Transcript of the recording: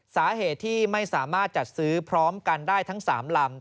สาเหตุที่ไม่สามารถจัดซื้อพร้อมกันได้ทั้ง๓ลำ